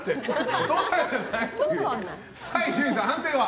伊集院さん、判定は？